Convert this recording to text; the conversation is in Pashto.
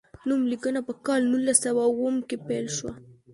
نوم لیکنه په کال نولس سوه اووم کې پیل شوه.